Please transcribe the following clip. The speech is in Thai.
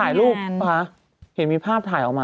อ่ะก็คือเป็นแก๊งเขาเจอกันหมด